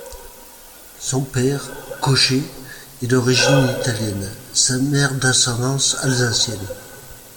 Son père, cocher, est d'origine italienne, sa mère d'ascendance alsacienne.